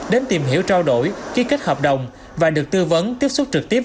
đến tìm hiểu trao đổi ký kết hợp đồng và được tư vấn tiếp xúc trực tiếp